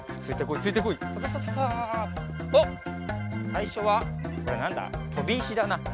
あっさいしょはこれはなんだ？とびいしだな。